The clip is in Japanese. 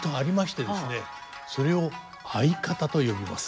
それを合方と呼びます。